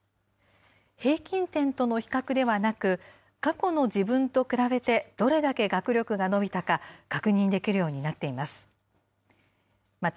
平均点との比較ではなく、過去の自分と比べてどれだけ学力が伸びたか、確認できるようになっています。